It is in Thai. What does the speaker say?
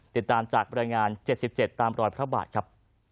ติดตามจากบรรยายงาน๗๗ตามรอยพระบาทครับ